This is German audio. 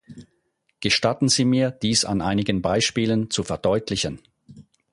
Gestatten Sie mir, dies an einigen Beispielen zu verdeutlichen.